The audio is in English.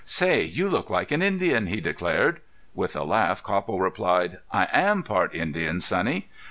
"Say, you look like an Indian," he declared. With a laugh Copple replied: "I am part Indian, sonny."